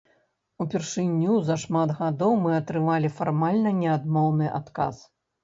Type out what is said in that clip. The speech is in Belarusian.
Упершыню за шмат гадоў мы атрымалі фармальна не адмоўны адказ.